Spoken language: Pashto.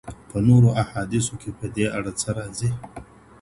په نورو احادیثو کې پدې اړه څه راځي؟